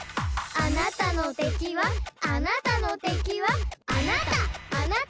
あなたの敵はあなたの敵はあなたあなた！